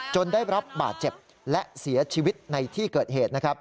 ได้รับบาดเจ็บและเสียชีวิตในที่เกิดเหตุ